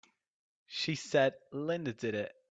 She said Linda did it!